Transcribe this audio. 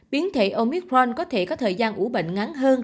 biến thể omitforn có thể có thời gian ủ bệnh ngắn hơn